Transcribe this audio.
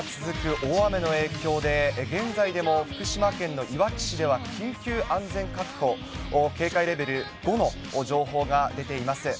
現在でも福島県のいわき市では、緊急安全確保、警戒レベル５の情報が出ています。